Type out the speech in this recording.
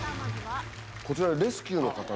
こちらのレスキューの方。